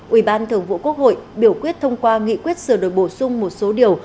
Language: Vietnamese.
ubthqh biểu quyết thông qua nghị quyết sửa đổi bổ sung một số điều